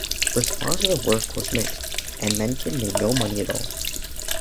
Response to the work was mixed, and Mencken made no money at all.